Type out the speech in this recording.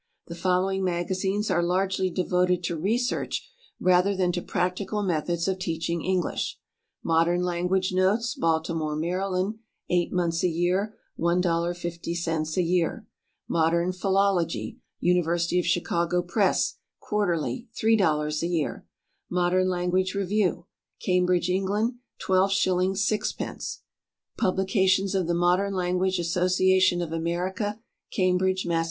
The following magazines are largely devoted to research rather than to practical methods of teaching English: "Modern Language Notes," Baltimore, Md., eight months a year, $1.50 a year; "Modern Philology," University of Chicago Press, quarterly; $3.00 a year; "Modern Language Review," Cambridge, England, 12 shillings, 6 pence; "Publications of the Modern Language Association of America," Cambridge, Mass.